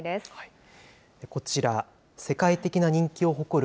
こちら、世界的な人気を誇る